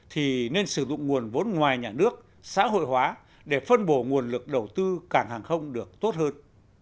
thì nên sử dụng nguồn vốn ngoài nhà nước xã hội hóa để phân bổ nguồn lực đầu tư cảng hàng không được tốt hơn